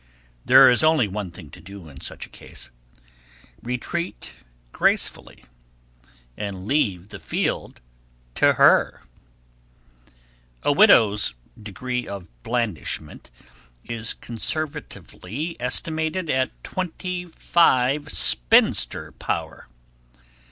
There is only one thing to do in such a case; retreat gracefully, and leave the field to her. [Sidenote: The Charm] A widow's degree of blandishment is conservatively estimated at twenty five spinster power.